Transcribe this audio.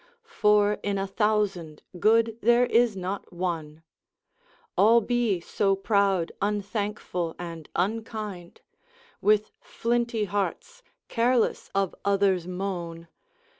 For in a thousand, good there is not one; All be so proud, unthankful, and unkind, With flinty hearts, careless of other's moan.